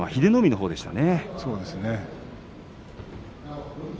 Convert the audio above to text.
そうですね。